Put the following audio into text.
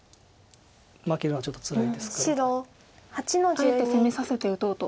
あえて攻めさせて打とうと。